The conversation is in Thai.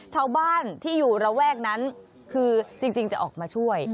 ชาวบ้านที่อยู่ระแวกนั้นคือจริงจะออกมาช่วย